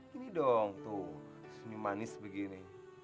gini dong tuh senyum manis begini